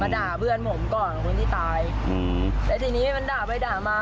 ด่าเพื่อนผมก่อนคนที่ตายอืมแล้วทีนี้มันด่าไปด่ามา